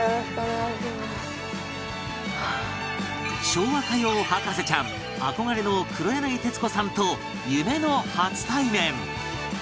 昭和歌謡博士ちゃん憧れの黒柳徹子さんと夢の初対面